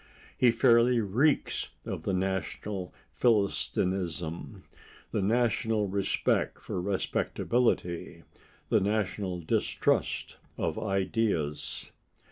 He fairly reeks of the national Philistinism, the national respect for respectability, the national distrust of ideas.